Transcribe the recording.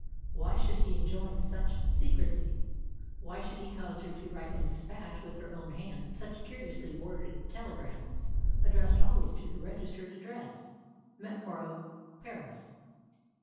Why should he enjoin such secrecy? Why should he cause her to write and despatch with her own hand such curiously worded telegrams, addressed always to the registered address: "METEFOROS, PARIS"?